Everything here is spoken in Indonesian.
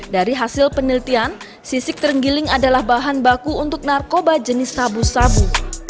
dari hasil penelitian sisik terenggiling adalah bahan baku untuk narkoba jenis sabu sabu